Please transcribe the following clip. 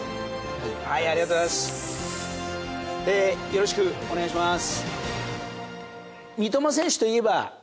よろしくお願いします。